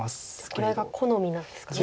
これが好みなんですかね。